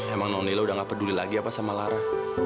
emang non nila udah gak peduli lagi apa sama lara